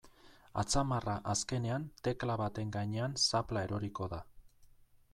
Atzamarra azkenean tekla baten gainean zapla eroriko da.